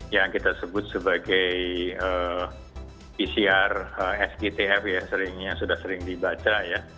yang kita sebut sebagai pcr sptf yang sudah sering dibaca